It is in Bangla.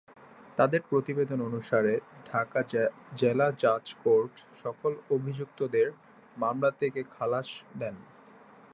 তাদের প্রতিবেদন অনুসারে ঢাকা জেলা জাজ কোর্ট সকল অভিযুক্তদের মামলা থেকে খালাস দেন।